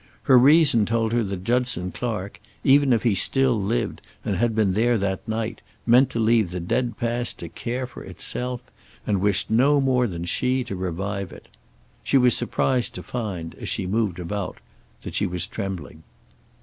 Her reason told her that Judson Clark, even if he still lived and had been there that night, meant to leave the dead past to care for itself, and wished no more than she to revive it. She was surprised to find, as she moved about, that she was trembling.